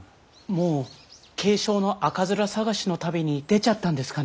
もう軽症の赤面探しの旅に出ちゃったんですかね。